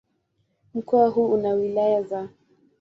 Mkoa huu una wilaya za